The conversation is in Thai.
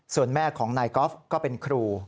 ส่วนแม่ของนายกอล์ฟก็เป็นครู